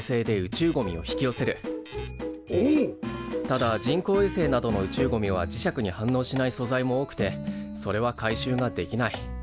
ただ人工衛星などの宇宙ゴミは磁石に反応しない素材も多くてそれは回収ができない。